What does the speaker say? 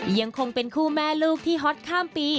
ยังคงเป็นคู่แม่ลูกที่ฮอตข้ามปี